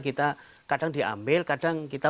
kita kadang diambil kadang kita